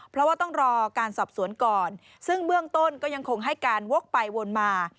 เพราะว่าต้องรอการสอบสวนก่อนซึ่งเบื้องต้นก็ยังคงให้การวกไปวนมา